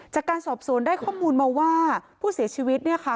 จากการสอบสวนได้ข้อมูลมาว่าผู้เสียชีวิตเนี่ยค่ะ